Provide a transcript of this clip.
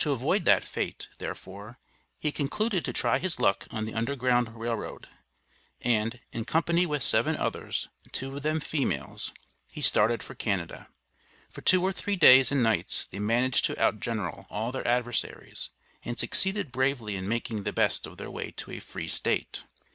To avoid that fate, therefore, he concluded to try his luck on the Underground Rail Road, and, in company with seven others two of them females he started for Canada. For two or three days and nights they managed to outgeneral all their adversaries, and succeeded bravely in making the best of their way to a Free State.